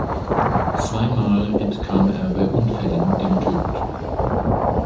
Zweimal entkam er bei Unfällen dem Tod.